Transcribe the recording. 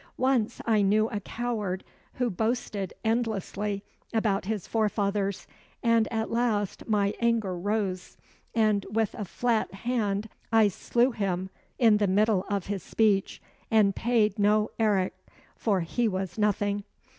Once I knew a coward who boasted endlessly about his forefathers, and at last my anger rose, and with a flat hand I slew him in the middle of his speech, and paid no eric, for he was nothing.